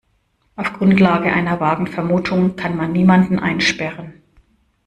Auf Grundlage einer vagen Vermutung kann man niemanden einsperren.